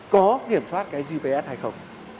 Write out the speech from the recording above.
có kiểm soát gps hay không